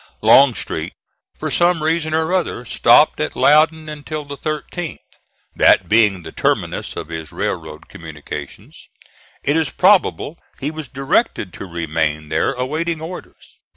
Longstreet, for some reason or other, stopped at Loudon until the 13th. That being the terminus of his railroad communications, it is probable he was directed to remain there awaiting orders.